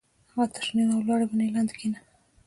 هغه تر شنې او لوړې ونې لاندې کېنه